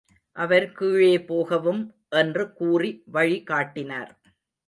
அவர் கீழே போகவும் என்று கூறி வழி காட்டினார்.